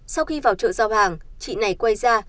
sau khi vào chợ giao hàng chị này quay ra